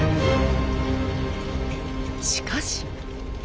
しかし。